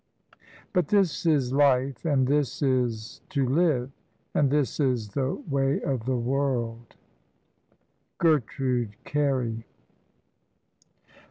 But this is life, and this is to live, And this is the way of the world." GERTRUDE CAREY.